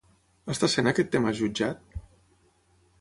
Està sent aquest tema jutjat?